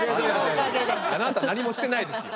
あなた何もしてないですよ。